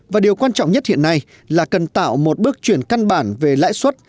và điều quan trọng nhất hiện nay là cần tạo một bước chuyển căn bản về lãi suất